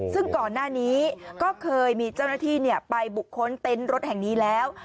ซึ่งก่อนหน้านี้ก็เคยมีเจ้าหน้าที่ไปบุคคลเต็นต์รถแห่งนี้แล้ว